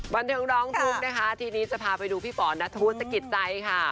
บันเทิงร้องทุกข์นะคะทีนี้จะพาไปดูพี่ป๋อนัทธวุฒิสกิจใจค่ะ